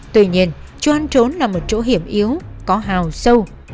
tuy nhiên chỗ hắn trốn là một chỗ hiểm yếu có hào sâu